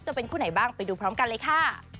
จะเป็นคู่ไหนบ้างไปดูพร้อมกันเลยค่ะ